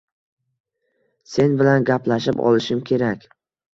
Sen bilan gaplashib olishim kerak!